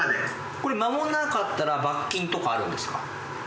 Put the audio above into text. これ守らなかったら罰金とかあるんですか？